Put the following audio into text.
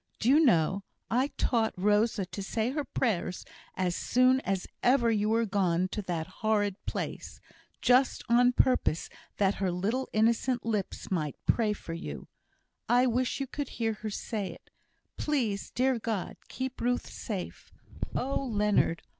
Do you know, I taught Rosa to say her prayers as soon as ever you were gone to that horrid place, just on purpose that her little innocent lips might pray for you I wish you could hear her say it 'Please, dear God, keep Ruth safe.' Oh, Leonard!